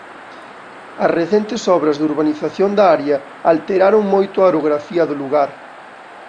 As recentes obras de urbanización da área alteraron moito a orografía do lugar.